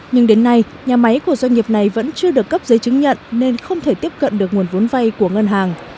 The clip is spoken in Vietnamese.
nhưng đến nay nhà máy của doanh nghiệp này vẫn chưa được cấp giấy chứng nhận nên không thể tiếp cận được nguồn vốn vay của ngân hàng